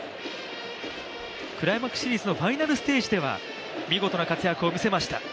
クライマックスシリーズのファイナルステージでは見事な活躍を見せませした。